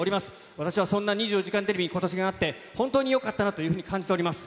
私はそんな２４時間テレビ、ことしになって、本当によかったなというふうに感じております。